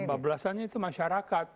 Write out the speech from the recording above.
pembablasannya itu masyarakat